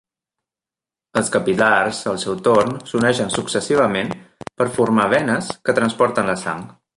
Els capil·lars, al seu torn, s'uneixen successivament per formar venes que transporten la sang.